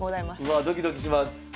うわあドキドキします。